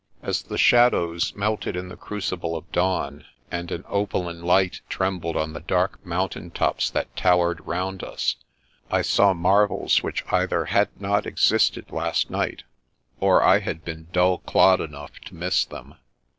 As the shadows melted in the crucible of dawn, and an opaline light trembled on the dark mountain tops that towered 122 The Princess Passes round us, I saw marvels which either had not existed last night, or I had been dull clod enough to miss them.